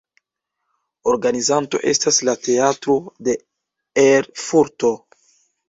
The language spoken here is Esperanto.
Organizanto estas la Teatro de Erfurto.